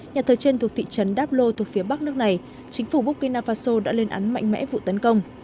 nhà thờ trên thuộc thị trấn dablo thuộc phía bắc nước này chính phủ burkina faso đã lên án mạnh mẽ vụ tấn công